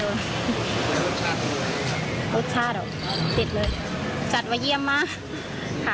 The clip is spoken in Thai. รสชาติเหรอติดเลยจัดไว้เยี่ยมมากค่ะ